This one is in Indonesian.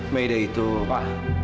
meda itu apa